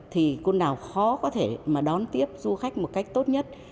thì con đảo khó có thể đón tiếp du khách một cách tốt nhất